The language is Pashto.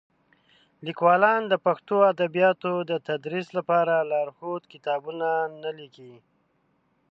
لیکوالان د پښتو ادبیاتو د تدریس لپاره لارښود کتابونه نه لیکي.